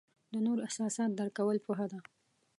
د نورو احساسات درک کول پوهه ده.